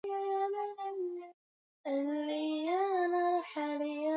na kuionya palestina kuacha mara moja